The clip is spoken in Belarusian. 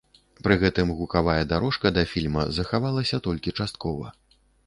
Пры гэтым гукавая дарожка да фільма захавалася толькі часткова.